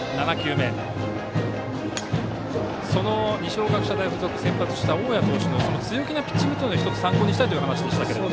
二松学舎大付属先発した大矢投手の強気なピッチングというのを参考にしたいという話でしたけど。